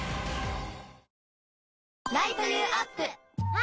あ！